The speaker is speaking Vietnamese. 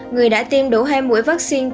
người đã tiêm đủ hai mũi vaccine